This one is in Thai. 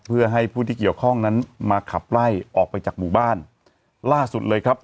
เพื่อให้ผู้ที่เกี่ยวข้องนั้นมาขับไล่ออกไปจากหมู่บ้านล่าสุดเลยครับ